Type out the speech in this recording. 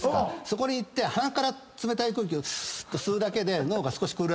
そこに行って鼻から冷たい空気を吸うだけで脳が少しクールダウンできます。